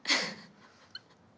ハハハハッ！